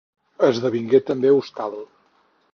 Esdevingué també hostal.